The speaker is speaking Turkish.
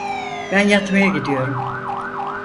Ben yatmaya gidiyorum.